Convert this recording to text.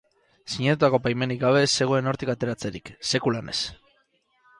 Sinatutako baimenik gabe ez zegoen hortik ateratzerik, sekulan ez.